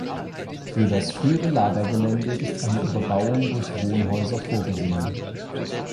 Für das frühere Lagergelände ist eine Überbauung durch Wohnhäuser vorgesehen.